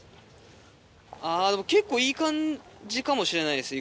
あぁでも結構いい感じかもしれないです